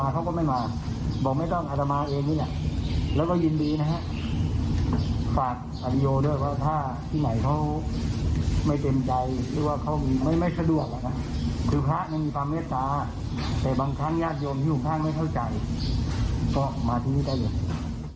แต่บางครั้งญาติโยมที่ของข้างไม่เท่าใจก็มาที่นี่ได้อย่างนี้